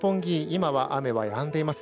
今は雨はやんでいます。